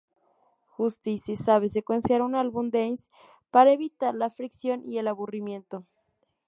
Justice sabe secuenciar un álbum dance para evitar la fricción y el aburrimiento".